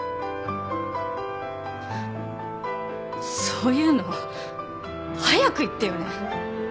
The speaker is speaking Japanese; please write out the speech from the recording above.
そういうの早く言ってよね。